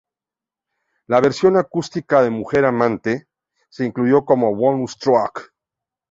La versión acústica de "Mujer amante" se incluyó como bonus track.